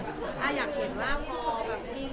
มันก็เหมือนการให้คนอื่นรู้จักเรามากขึ้น